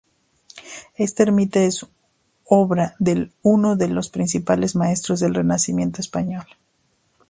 Esta ermita es obra de uno de los principales maestros del renacimiento español.